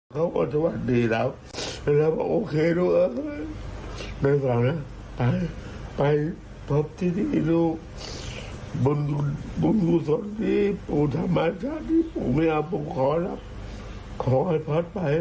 เขาบอกว่าสวัสดีครับแล้วเราก็โอเคดูเอ่อไปสวัสดีครับไปพบที่ดีดูบุญกุศลที่ปู่ธรรมชาติที่ปู่เมียผมขอแล้วขอให้พอดไปนะ